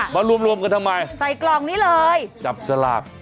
ค่ะมารวมกันทำไมจับสลากหาผู้โชคดีใส่กล่องนี้เลย